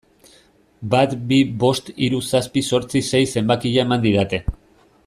Bat bi bost hiru zazpi zortzi sei zenbakia eman didate.